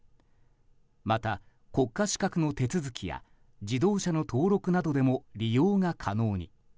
また国家資格の手続きや自動車の登録などでも利用が可能に。